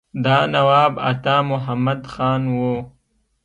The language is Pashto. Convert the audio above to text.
دا نواب عطا محمد خان وو.